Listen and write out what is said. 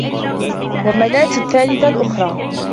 وَمَناةَ الثّالِثَةَ الأُخرى